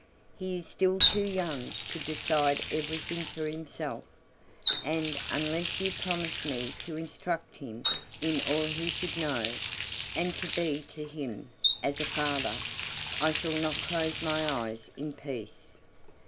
He is still too young to decide everything for himself, and unless you promise me to instruct him in all he should know, and to be to him as a father, I shall not close my eyes in peace."